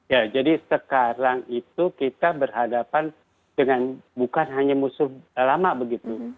ya jadi sekarang itu kita berhadapan dengan bukan hanya musuh lama begitu